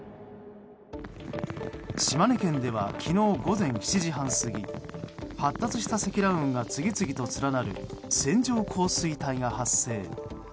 島根県では昨日午前７時半過ぎ発達した積乱雲が次々と連なる線状降水帯が発生。